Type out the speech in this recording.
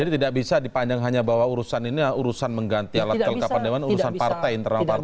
jadi tidak bisa dipandang hanya bahwa urusan ini urusan mengganti alat kelakuan dewan urusan partai internal partai